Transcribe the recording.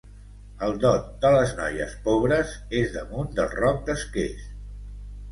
El dot de les noies pobres és damunt del roc d'Esquers.